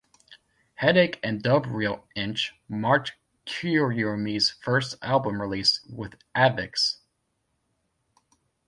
"Headache and Dub Reel Inch" marked Kuroyume's first album release with Avex.